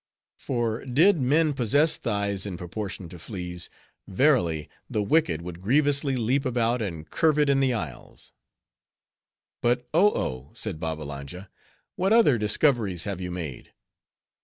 For did men possess thighs in proportion to fleas, verily, the wicked would grievously leap about, and curvet in the isles." "But Oh Oh," said Babbalanja, "what other discoveries have you made?